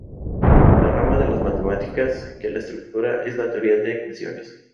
La rama de las matemáticas que las estudia es la teoría de ecuaciones.